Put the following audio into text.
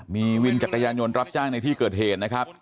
มีวินจักรยานยนต์รับจ้างในที่เกิดเหตุนะครับ